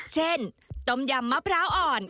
ต้มยำมะพร้าวอ่อน